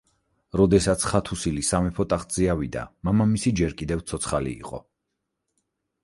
როდესაც ხათუსილი სამეფო ტახტზე ავიდა მამამისი ჯერ კიდევ ცოცხალი იყო.